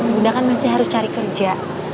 bunda kan masih harus cari kerja